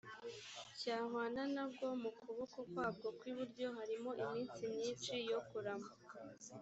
cyahwana na bwo mu kuboko kwabwo kw iburyo harimo iminsi myinshi yo kurama